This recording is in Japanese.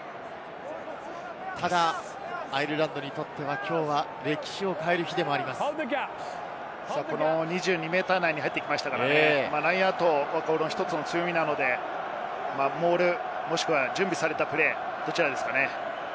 ただ、アイルランドにとっては、きょうが歴史を変える日でもあり２２ｍ内に入ってきましたから、ラインアウトも１つの強みなので、モール、もしくは準備されたプレー、どちらですかね？